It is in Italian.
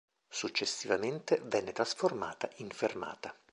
Successivamente venne trasformata in fermata.